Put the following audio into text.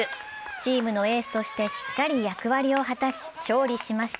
チームのエースとしてしっかり役割を果たし、勝利しました。